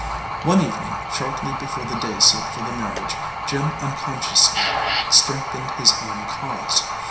One evening shortly before the day set for the marriage, Jim unconsciously strengthened his own cause.